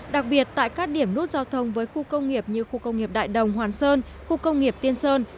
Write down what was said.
đặc biệt tại các điểm nút giao thông với khu công nghiệp như khu công nghiệp đại đồng hoàn sơn khu công nghiệp tiên sơn